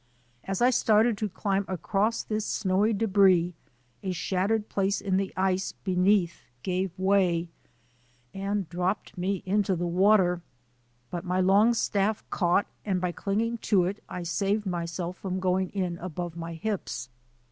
As I started to climb across this snowy debris a shattered place in the ice be neath gave way and dropped me into the water, but my long staff caught and by clinging to it I saved myself from going in above my hips.